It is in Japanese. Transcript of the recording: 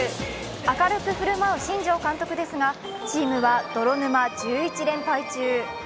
明るく振る舞う新庄監督ですがチームは泥沼１１連敗中。